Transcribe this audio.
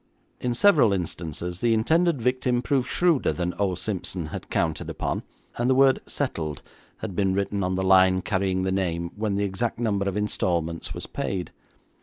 In several instances the intended victim proved shrewder than old Simpson had counted upon, and the word 'Settled' had been written on the line carrying the name when the exact number of instalments was paid.